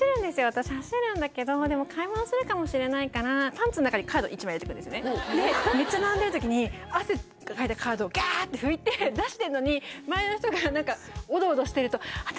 私走るんだけどでもパンツの中にカード１枚入れていくんですねでめっちゃ並んでる時に汗かいたカードをガーッて拭いて出してるのに前の人が何かおどおどしてると私